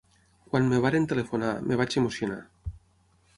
Quan em varen telefonar, em vaig emocionar.